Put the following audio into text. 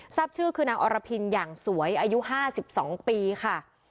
ทรัพย์ชื่อคือนางอรพินอย่างสวยอายุห้าสิบสองปีค่ะ